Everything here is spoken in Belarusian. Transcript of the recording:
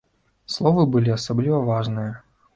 Словы былі асабліва важныя.